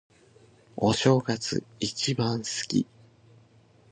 お正月、一番好き。